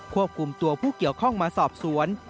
ควบคุมตัวผู้เกี่ยวข้องมาสอบสวน